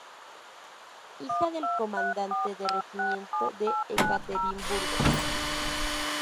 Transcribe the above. Hija del Comandante de Regimiento de Ekaterimburgo.